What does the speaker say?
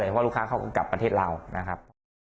เพราะว่าลูกค้าเข้ากับประเทศราวนะครับ